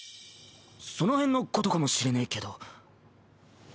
そのへんのことかもしれねぇけど。